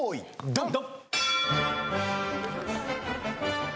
ドン！